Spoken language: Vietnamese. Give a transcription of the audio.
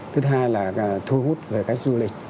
thứ hai là thu hút về cách du lịch